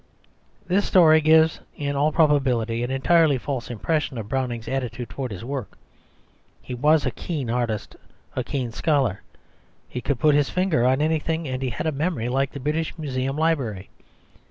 This story gives, in all probability, an entirely false impression of Browning's attitude towards his work. He was a keen artist, a keen scholar, he could put his finger on anything, and he had a memory like the British Museum Library.